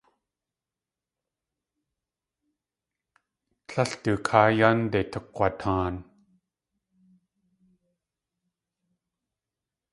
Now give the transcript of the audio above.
Tlél du káa yánde tukg̲wataan.